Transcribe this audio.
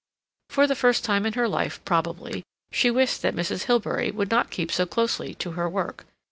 For the first time in her life, probably, she wished that Mrs. Hilbery would not keep so closely to her work.